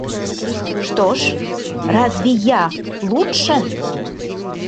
Что ж, разве я лучше?